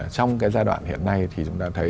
trong cái giai đoạn hiện nay thì chúng ta thấy